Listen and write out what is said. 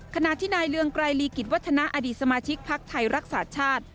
ขณะที่นายเรืองไกรลีกิจวัฒนาอดีตสมาชิกพักไทยรักษาชาติ